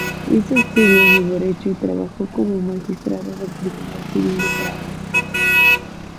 Hizo estudios de Derecho y trabajó como magistrado del Tribunal civil de Praga.